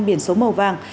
biển số màu vàng